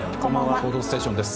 「報道ステーション」です。